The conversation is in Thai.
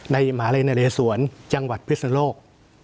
ในมหาลัยนระเรศวรจังหวัดพิศนโลก